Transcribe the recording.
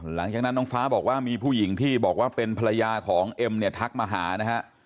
หลังจากนั้นน้องฟ้าบอกว่ามีผู้หญิงที่บอกว่าเป็นภรรยาของเอ็มเนี่ยทักมาหานะฮะ